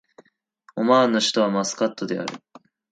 オマーンの首都はマスカットである